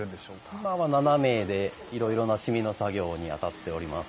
今は７名でいろいろな染みの作業に当たっております。